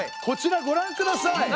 こちらごらんください。